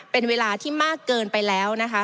เป็นเวลาที่มากเกินไปแล้วนะคะ